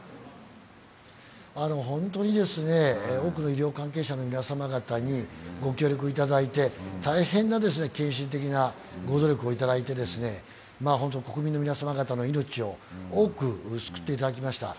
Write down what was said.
本当に多くの医療関係者の皆様にご協力いただいて大変な献身的なご努力をいただいて、国民の皆様方の命を多く救っていただきました。